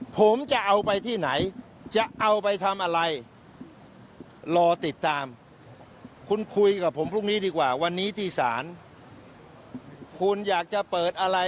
ไปฟังเสียงกันหน่อยค่ะ